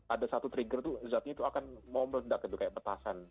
ada satu trigger itu zatnya akan mau meledak gitu kayak petasan